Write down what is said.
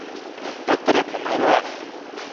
Докторет мом ойла?